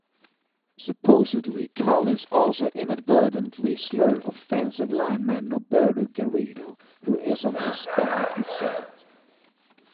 Supposedly, Collins also inadvertently slurred offensive lineman Norberto Garrido, who is of Hispanic descent.